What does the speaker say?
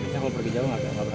kalau pergi jauh nggak ada